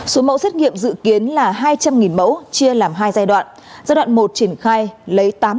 số mẫu xét nghiệm dự kiến là hai trăm linh mẫu chia làm hai giai đoạn giai đoạn một triển khai lấy tám mẫu